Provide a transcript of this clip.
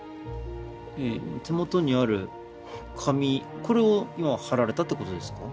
手元にある紙これを今貼られたってことですか？